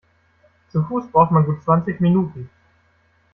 Zu Fuß braucht man gut zwanzig Minuten.